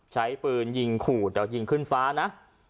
ใช้ปืนยิงขู่แต่ยิงขึ้นฟ้านะ